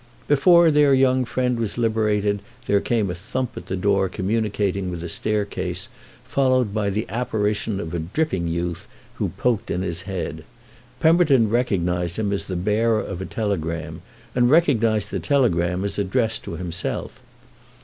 Before their young friend was liberated there came a thump at the door communicating with the staircase, followed by the apparition of a dripping youth who poked in his head. Pemberton recognised him as the bearer of a telegram and recognised the telegram as addressed to himself.